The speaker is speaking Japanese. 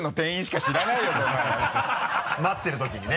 待ってるときにね。